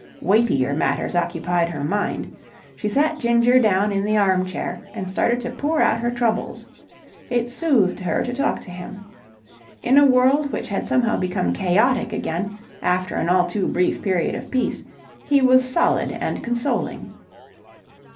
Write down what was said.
Weightier matters occupied her mind. She sat Ginger down in the armchair and started to pour out her troubles. It soothed her to talk to him. In a world which had somehow become chaotic again after an all too brief period of peace, he was solid and consoling.